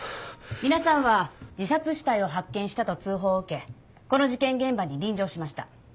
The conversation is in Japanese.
皆さんは自殺死体を発見したと通報を受けこの事件現場に臨場しました。